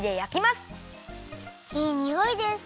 いいにおいです！